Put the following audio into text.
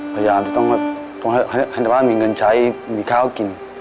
พยายามจะต้องแบบต้องให้แม่มีเงินใช้มีข้าวกิน